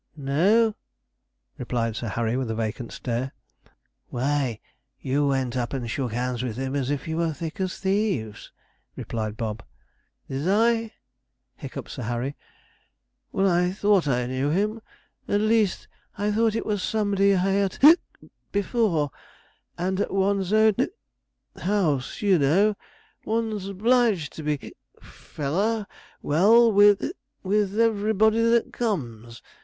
'No,' replied Sir Harry, with a vacant stare. 'Why, you went up and shook hands with him, as if you were as thick as thieves,' replied Bob. 'Did I?' hiccuped Sir Harry. 'Well, I thought I knew him. At least, I thought it was somebody I had ed before; and at one's own house, you know, one's 'bliged to be feller well with everybody that comes.